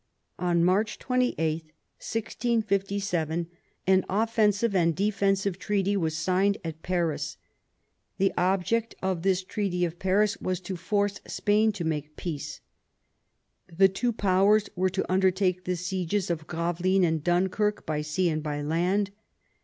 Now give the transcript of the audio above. On March 28, 1657, an offensive and defensive treaty was signed at Paris. The object of this Treaty of Paris was to force Spain to make peace. The two powers were to undertake the sieges of Gravelines and Dunkirk by sea and by land.